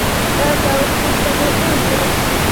دا توپیر طبیعي دی.